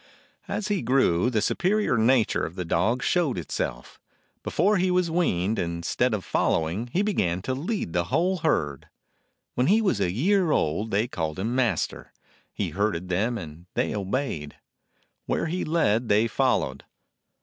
As he grew, the superior nature of the dog showed itself. Before he was weaned, instead of following, he began to lead the whole herd. When he was a year old they called him master; he herded them and they obeyed. Where he led they followed.